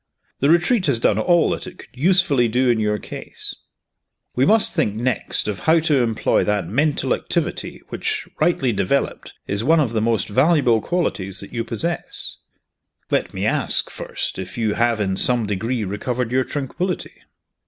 The Retreat has done all that it could usefully do in your case. We must think next of how to employ that mental activity which, rightly developed, is one of the most valuable qualities that you possess. Let me ask, first, if you have in some degree recovered your tranquillity?"